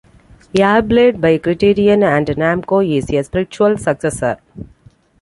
Airblade by Criterion and Namco is a spiritual successor.